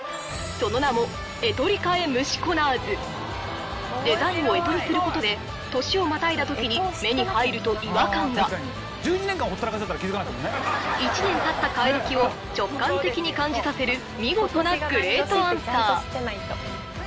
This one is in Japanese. その名もデザインを干支にすることで年をまたいだときに目に入ると違和感が１年たった替え時を直感的に感じさせる見事なグレートアンサー！